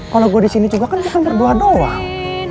kalo gue disini juga kan kita berdua doang